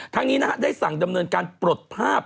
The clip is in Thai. นี้ได้สั่งดำเนินการปลดภาพ